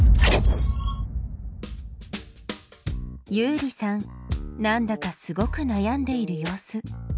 ユウリさんなんだかすごく悩んでいる様子。